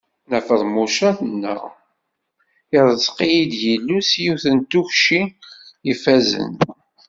Nna Feḍmuca tenna: Ireẓq-iyi-d Yillu s yiwet n tukci ifazen.